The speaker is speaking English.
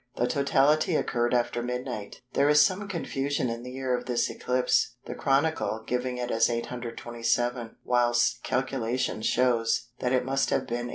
The totality occurred after midnight. There is some confusion in the year of this eclipse, the Chronicle giving it as 827, whilst calculation shows that it must have been 828.